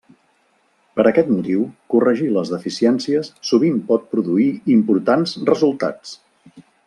Per aquest motiu, corregir les deficiències sovint pot produir importants resultats.